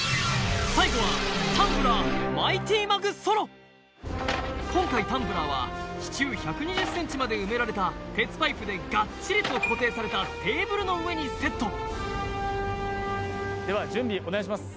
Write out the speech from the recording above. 最後は今回タンブラーは地中１２０ｃｍまで埋められた鉄パイプでがっちりと固定されたテーブルの上にセットでは準備お願いします